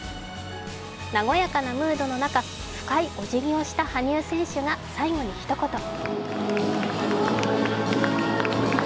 和やかなムードの中、深いおじぎをした羽生選手が最後にひと言。